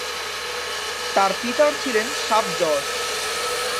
তার পিতার ছিলেন সাব-জজ।